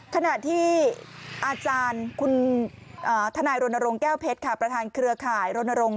ขณะที่อาจารย์คุณทนายรณรงค์แก้วเพชรค่ะประธานเครือข่ายรณรงค์